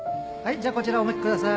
じゃあこちらお向きください